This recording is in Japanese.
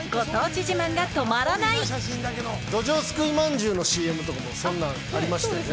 どじょう掬いまんじゅうのＣＭとかもそんなんありましたよね。